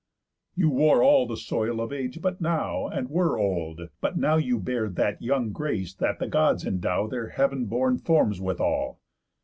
"You wore all the soil Of age but now, and were old; and but now You bear that young grace that the Gods indow Their heav'n born forms withal."